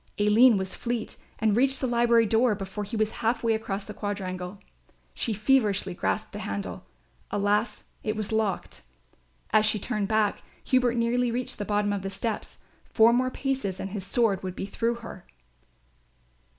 Aline was fleet and reached the library door before he was half way across the quadrangle. She feverishly grasped the handle. Alas, it was locked. As she turned back, Hubert nearly reached the bottom of the steps. Four more paces and his sword would be through her.